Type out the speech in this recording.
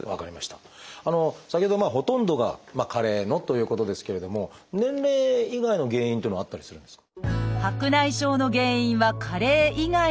先ほどほとんどが加齢のということですけれども年齢以外の原因というのはあったりするんですか？